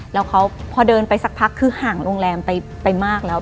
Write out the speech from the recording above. แล้วเขาพอเดินไปสักพักคือห่างโรงแรมไปมากแล้ว